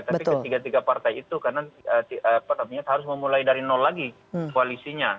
tapi ketiga tiga partai itu karena harus memulai dari nol lagi koalisinya